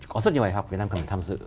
có rất nhiều bài học việt nam cần tham dự